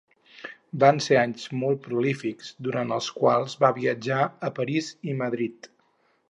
Van ser anys molt prolífics, durant els quals va viatjar a París i Madrid.